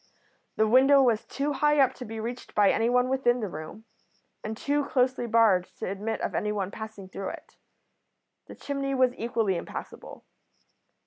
The window was too high up to be reached by anyone within the room, and too closely barred to admit of anyone passing through it. The chimney was equally impassable.